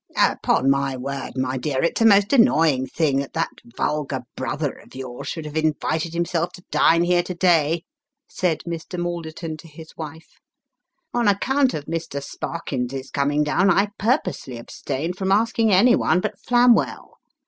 " Upon my word, my dear, it's a most annoying thing that that vulgar brother of yours should have invited himself to dine here to day," said Mr. Malderton to his wife. " On account of Mr. Sparkins's coming down, I purposely abstained from asking any one but Flamwell.